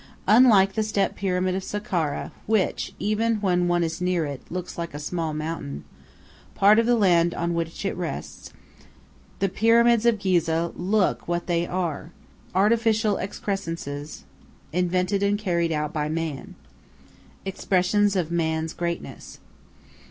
Unlike the Step Pyramid of Sakkara, which, even when one is near it, looks like a small mountain, part of the land on which it rests, the Pyramids of Ghizeh look what they are artificial excrescences, invented and carried out by man, expressions of man's greatness.